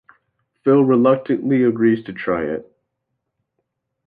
Phil reluctantly agrees to try it.